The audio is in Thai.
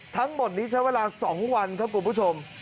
ทั้งหมดนี้ใช้เวลา๒วันครับคุณผู้ชม